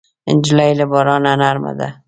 نجلۍ له بارانه نرمه ده.